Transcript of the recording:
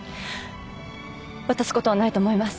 渡すことはないと思います。